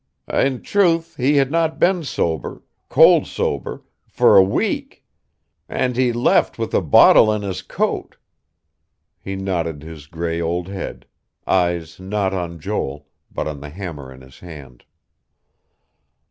I' truth, he had not been sober cold sober for a week. And he left with a bottle in his coat." He nodded his gray old head, eyes not on Joel, but on the hammer in his hand.